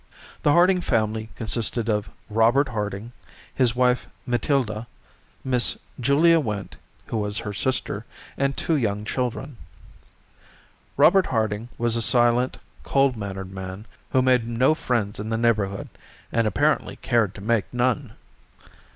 The Harding family consisted of Robert Harding, his wife Matilda, Miss Julia Went, who was her sister, and two young children. Robert Harding was a silent, cold mannered man who made no friends in the neighborhood and apparently cared to make none.